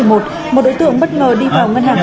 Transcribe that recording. một đối tượng bất ngờ đi vào ngân hàng